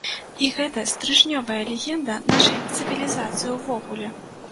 І гэта стрыжнёвая легенда нашай цывілізацыі ўвогуле.